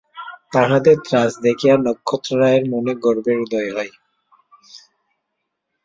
তাহাদের ত্রাস দেখিয়া নক্ষত্ররায়ের মনে গর্বের উদয় হয়।